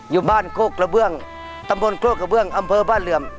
อยู่บ้านโคกระเบื้องตำบลโคกกระเบื้องอำเภอบ้านเหลื่อม